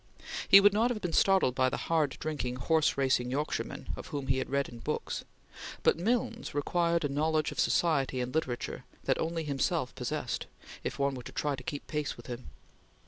He would not have been startled by the hard drinking, horse racing Yorkshireman of whom he had read in books; but Milnes required a knowledge of society and literature that only himself possessed, if one were to try to keep pace with him.